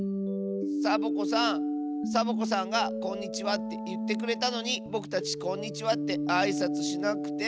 サボ子さんサボ子さんが「こんにちは」っていってくれたのにぼくたち「こんにちは」ってあいさつしなくて。